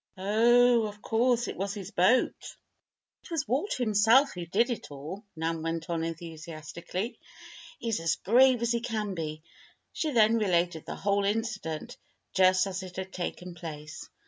"Oh! of course it was his boat " "It was Walter himself who did it all," Nan went on, enthusiastically. "He is as brave as he can be." She then related the whole incident, just as it had taken place.